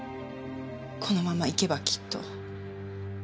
このままいけばきっと。